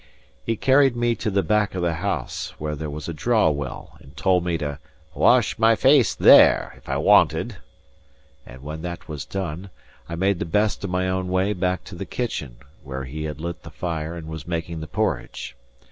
He carried me to the back of the house, where was a draw well, and told me to "wash my face there, if I wanted;" and when that was done, I made the best of my own way back to the kitchen, where he had lit the fire and was making the porridge.